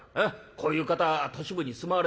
こういう方は都市部に住まわれない。